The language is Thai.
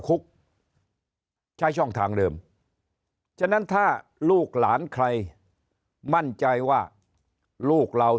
คุกใช้ช่องทางเดิมฉะนั้นถ้าลูกหลานใครมั่นใจว่าลูกเรา